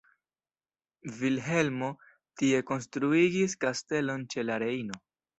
Vilhelmo tie konstruigis kastelon ĉe la Rejno.